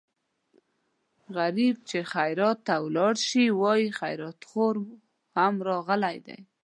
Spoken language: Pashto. غریب چې خیرات ته لاړ شي وايي خیراتخور خو هم راغلی دی.